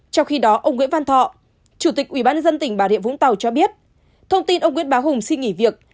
trong khi đó ông nguyễn văn thọ chủ tịch ubnd tỉnh bà rịa vũng tàu cho biết thông tin ông nguyễn bá hùng xin nghỉ việc